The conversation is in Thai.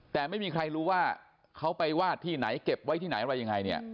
แต่ไม่มีใครรู้ว่าเขาไปวาดที่ไหนเก็บไว้ที่ไหนอะไรยังไงเนี่ย